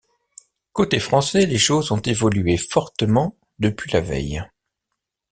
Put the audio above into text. Côté français les choses ont évolué fortement depuis la veille.